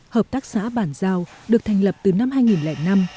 hợp tác xã bản giao được thành lập từ năm hai nghìn năm